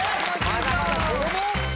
まだまだこども！